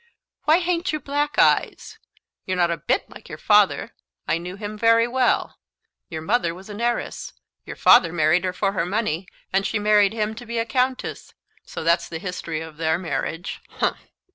Why ha'nt you black eyes? You're not a bit like your father I knew him very well. Your mother was an heiress; your father married her for her money, and she married him to be a Countess; and so that's the history of their marriage humph."